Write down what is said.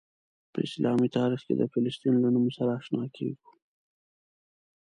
په اسلامي تاریخ کې د فلسطین له نوم سره آشنا کیږو.